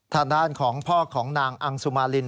ทางด้านของพ่อของนางอังสุมาริน